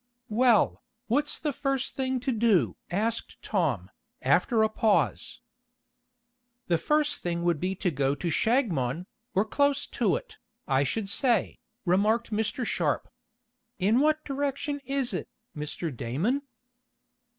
"Well, what's the first thing to do?" asked Tom, after a pause. "The first thing would be to go to Shagmon, or close to it, I should say," remarked Mr. Sharp. "In what direction is it, Mr. Damon?"